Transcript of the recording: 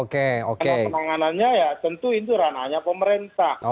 karena penanganannya ya tentu itu ranahnya pemerintah